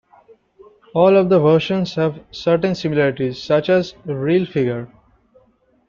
All of the versions have certain similarities, such as the reel figure.